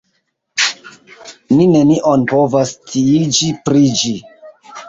Ni nenion povas sciiĝi pri ĝi.